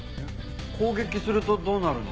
攻撃するとどうなるの？